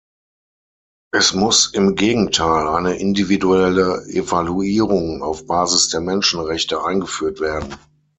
Es muss im Gegenteil eine individuelle Evaluierung auf Basis der Menschenrechte eingeführt werden.